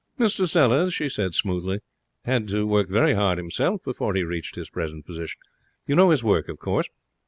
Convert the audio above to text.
'Mr Sellers,' she said, smoothly, 'had to work very hard himself before he reached his present position. You know his work, of course?'